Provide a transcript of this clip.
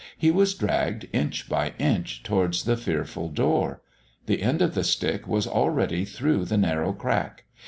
He was dragged inch by inch towards the fearful door. The end of the stick was already through the narrow, crack.